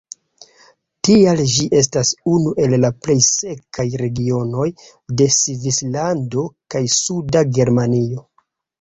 Tial ĝi estas unu el la plej sekaj regionoj de Svislando kaj suda Germanio.